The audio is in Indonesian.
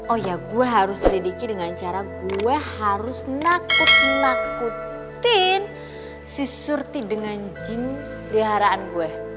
oh ya gue harus selidiki dengan cara gue harus nakut nakutin si surti dengan jin diharaan gue